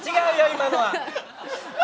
今のは。